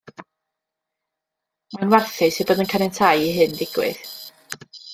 Mae'n warthus eu bod yn caniatáu i hyn ddigwydd.